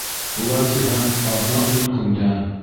Улай тиһәң, аҙна-ун көндән...